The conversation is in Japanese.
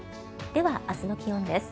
では明日の気温です。